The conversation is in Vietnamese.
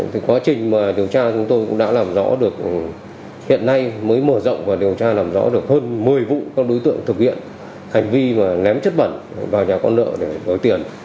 thì quá trình mà điều tra chúng tôi cũng đã làm rõ được hiện nay mới mở rộng và điều tra làm rõ được hơn một mươi vụ các đối tượng thực hiện hành vi mà ném chất bẩn vào nhà con nợ để gói tiền